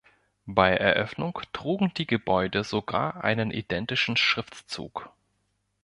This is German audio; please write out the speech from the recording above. Bei Eröffnung trugen die Gebäude sogar einen identischen Schriftzug.